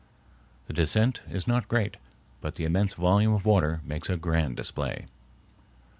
The descent is not great, but the immense volume of water makes a grand display.